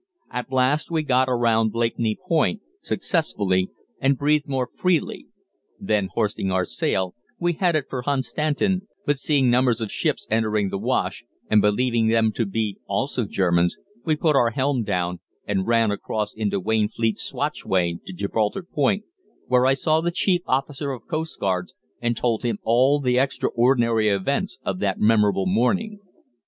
At last we got around Blakeney Point successfully, and breathed more freely; then hoisting our sail, we headed for Hunstanton, but seeing numbers of ships entering the Wash, and believing them to be also Germans, we put our helm down and ran across into Wainfleet Swatchway to Gibraltar Point, where I saw the chief officer of coastguards and told him all the extraordinary events of that memorable morning."